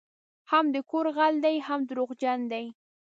هم د کور غل دی هم دروغجن دی